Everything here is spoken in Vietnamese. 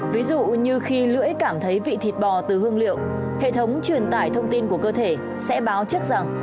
ví dụ như khi lưỡi cảm thấy vị thịt bò từ hương liệu hệ thống truyền tải thông tin của cơ thể sẽ báo trước rằng